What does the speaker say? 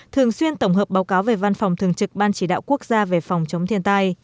thường xuyên tổng hợp báo cáo về văn phòng thường trực ban chỉ đạo quốc gia về phòng chống thiên tai